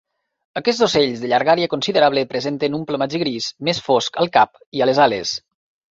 Aquests ocells de llargària considerable presenten un plomatge gris, més fosc al cap i a les ales.